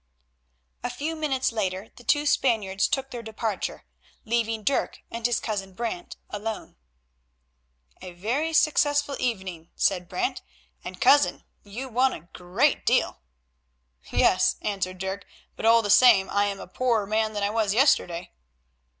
A few minutes later the two Spaniards took their departure, leaving Dirk and his cousin Brant alone. "A very successful evening," said Brant, "and, cousin, you won a great deal." "Yes," answered Dirk, "but all the same I am a poorer man than I was yesterday."